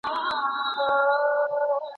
په ساینسي څانګه کي کار بل ډول وي.